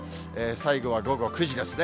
最後は午後９時ですね。